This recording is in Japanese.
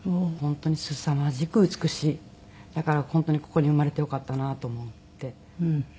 「だから本当にここに生まれてよかったなと思う」って言って。